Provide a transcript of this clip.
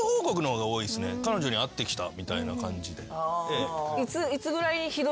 彼女に会ってきたみたいな感じで。